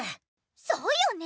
そうよね。